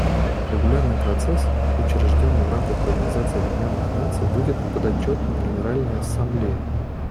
Регулярный процесс, учрежденный в рамках Организации Объединенных Наций, будет подотчетным Генеральной Ассамблее.